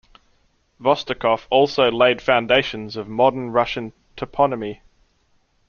Vostokov also laid foundations of modern Russian toponymy.